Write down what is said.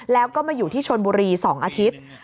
แล้วก็มาอยู่ที่ชนบุรี๒อาทิตย์